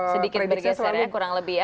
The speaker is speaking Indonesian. sedikit bergeser ya kurang lebih ya